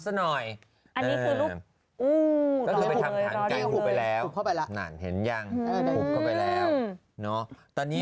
มีอะไรไหมมาต้องไปทำซะหน่อย